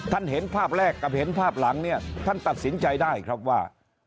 เห็นภาพแรกกับเห็นภาพหลังเนี่ยท่านตัดสินใจได้ครับว่า